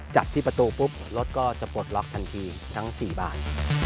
จากที่ประตูปุ๊บรถก็จะปลดล็อกทันทีทั้ง๔บาน